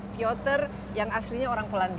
fioter yang aslinya orang polandia